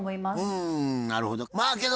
うんなるほど。